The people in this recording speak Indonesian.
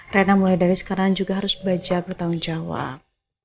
rena mulai dari sekarang juga harus belajar bertanggung jawab